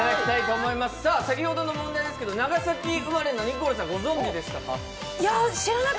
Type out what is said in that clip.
先ほどの問題ですけれども、長崎生まれのニコルさん、ご存じでしたか？